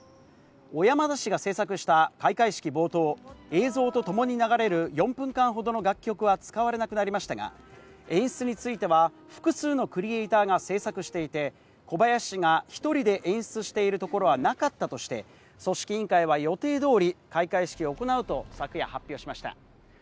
小山田氏が制作した開会式冒頭、映像とともに流れる４分間ほどの楽曲は使われなくなりましたが、演出については複数のクリエイターが制作していて、小林氏が１人で演出しているところはなかったとして、組織委員会は予定通り開会式を行うと昨夜発表しました。